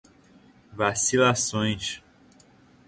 vacilações